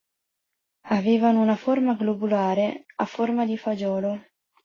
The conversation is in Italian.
Avevano una forma globulare, a forma di fagiolo.